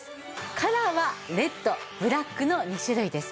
カラーはレッドブラックの２種類です。